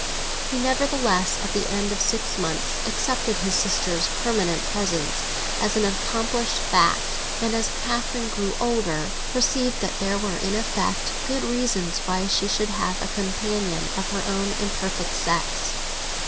He, nevertheless, at the end of six months, accepted his sister's permanent presence as an accomplished fact, and as Catherine grew older perceived that there were in effect good reasons why she should have a companion of her own imperfect sex.